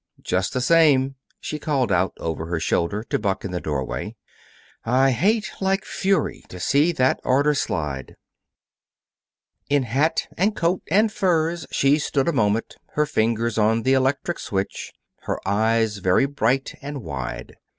"Just the same," she called out, over her shoulder, to Buck in the doorway, "I hate like fury to see that order slide." In hat and coat and furs she stood a moment, her fingers on the electric switch, her eyes very bright and wide.